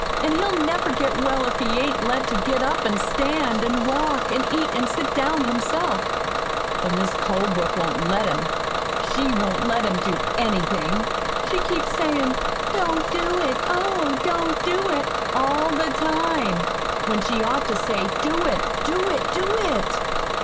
"An' he'll never get well if he ain't let to get up an' stand an' walk an' eat an' sit down himself. But Mis' Colebrook won't let him. She won't let him do anything. She keeps sayin', 'Don't do it, oh, don't do it,' all the time, when she ought to say, 'Do it, do it, do it!'